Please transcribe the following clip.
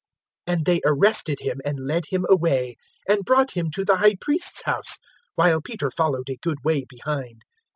022:054 And they arrested Him and led Him away, and brought Him to the High Priest's house, while Peter followed a good way behind.